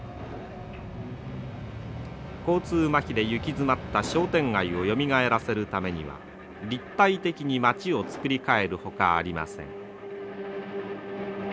交通まひで行き詰まった商店街をよみがえらせるためには立体的に町を造り替えるほかありません。